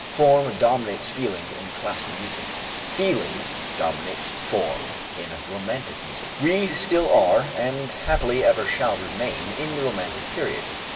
Form dominates feeling in classical music, feeling dominates form in romantic music. We still are and, happily, ever shall remain in the romantic period.